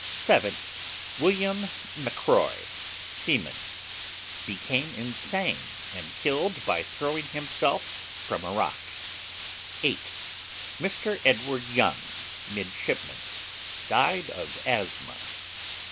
7. WILLIAM M'KOY, seaman, became insane, and killed by throwing himself from a rock. 8. Mr. EDWARD YOUNG, midshipman, died of asthma.